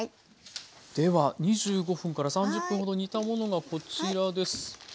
では２５分から３０分ほど煮たものがこちらです。